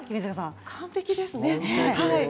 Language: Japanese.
完璧ですね。